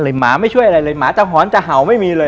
หมาไม่ช่วยอะไรเลยหมาจะหอนจะเห่าไม่มีเลย